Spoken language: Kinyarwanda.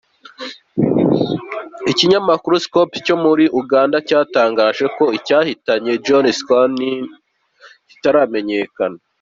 Ikinyamakuru Sqoop cyo muri Uganda cyatangaje ko icyahitanye John Scalabrini kitaramenyekana.